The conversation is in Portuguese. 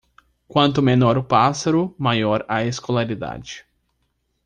Quanto menor o pássaro, maior a escolaridade.